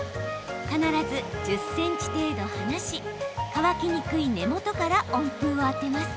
必ず１０ｃｍ程度離し乾きにくい根元から温風を当てます。